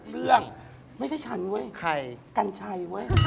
เรื่องนี้ใช่มั้ย